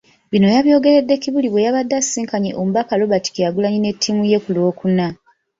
Bino yabyogeredde Kibuli bwe yabadde asisinkanye Omubaka Robert Kyagulanyi ne ttiimu ye ku Lwokuna.